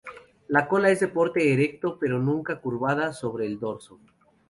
La cola es de porte erecto pero nunca curvada sobre el dorso.